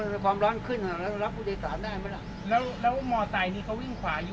แล้วแล้วหมอทรายนี้เขาวิ่งขวาอยู่หรือเค้ายังไง